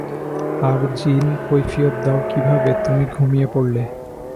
আর জিন, কৈফিয়ত দাও কিভাবে তুমি ঘুমিয়ে পড়লে।